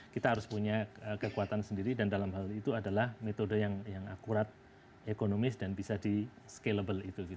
kita harus punya kekuatan sendiri dan dalam hal itu adalah metode yang akurat ekonomis dan bisa di scalable